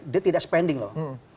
dia tidak spending loh